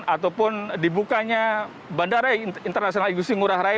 ataupun dibukanya bandara internasional igusti ngurah rai